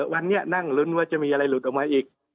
วันนี้นั่งลุ้นว่าจะมีอะไรหลุดออกมาอีก